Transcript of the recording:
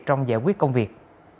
trong giải quyết công việc